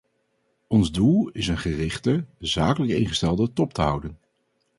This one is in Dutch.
Ons doel is een gerichte, zakelijk ingestelde top te houden.